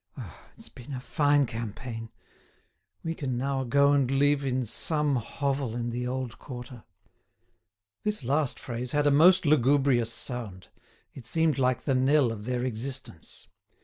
Ah! it's been a fine campaign. We can now go and live in some hovel in the old quarter." This last phrase had a most lugubrious sound. It seemed like the knell of their existence.